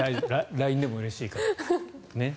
ＬＩＮＥでもうれしいから。